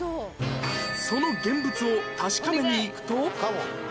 その現物を確かめにいくと